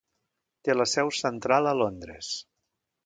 Té la seu central a Londres.